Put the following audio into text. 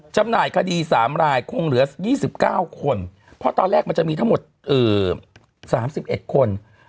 จำหน่ายคดี๓รายคงเหลือ๒๙คนเพราะตอนแรกมันจะมีทั้งหมด๓๑คน